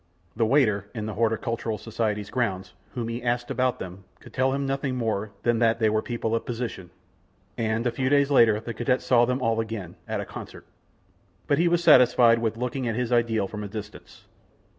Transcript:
The waiter in the Horticultural Society's grounds, whom he asked about them, could tell him nothing more than that they were people of position, and a few days later the cadet saw them all again at a concert, but he was satisfied with looking at his ideal from a distance.